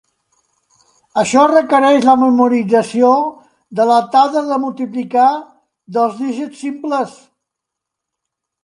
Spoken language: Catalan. Això requereix la memorització de la taula de multiplicar dels dígits simples.